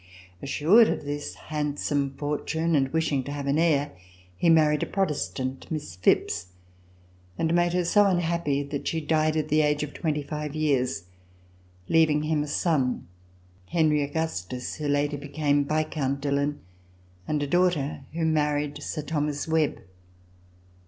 Assured of this handsome fortune and wishing to have an heir, he married a Protestant, Miss Phipps, and made her so unhappy that she died at the age of twenty five years, leaving him a son, Henry RECOLLECTIONS OF THE REVOLUTION Augustus, who later became Viscount Dillon, and a daughter who married Sir Thomas Webb.